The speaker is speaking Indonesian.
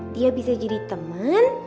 dia bisa jadi temen